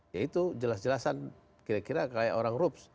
ya itu jelas jelasan kira kira kayak orang rups